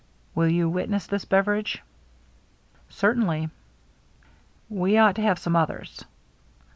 Will you witness this, Beveridge ?"" Certainly." " We ought to have some others."